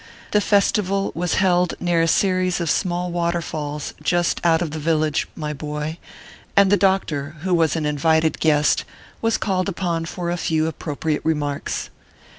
The festival was held near a series of small waterfalls just out of the village, my boy, and the doctor, who was an invited guest, was called upon for a few appropriate remarks.